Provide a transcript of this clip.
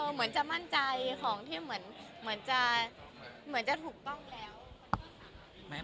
เหมือนจะมั่นใจของที่เหมือนจะเหมือนจะถูกต้องแล้ว